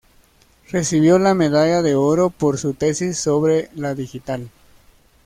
Recibió la medalla de oro por su tesis sobre la digital.